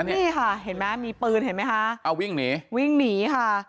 นี่ค่ะเห็นมั้ยมีปืนเห็นมั้ยค่ะวิ่งหนีค่ะ